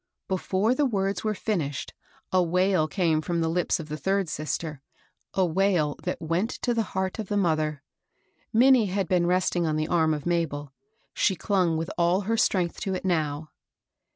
Before the words were finished, a wail came fi*om the lips of the third sister, — a wail that went to the heart of the mother. Minnie had been resting on the arm of Mabel; she clung with all her strength to it now.